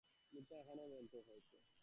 মিথ্যাটা এখানেই বলতে হয়েছে।